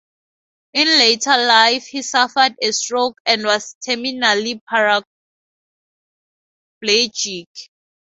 In later life he suffered a stroke and was terminally paraplegic.